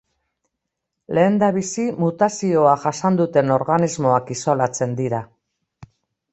Lehendabizi mutazioa jasan duten organismoak isolatzen dira.